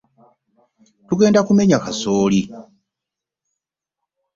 Tugenda kumenya kasooli.